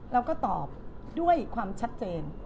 เราก็ตอบด้วยความชัดเจน